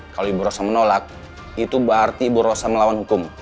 kalau ibu rasa menolak itu berarti ibu rosa melawan hukum